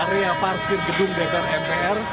area parkir gedung dpr mpr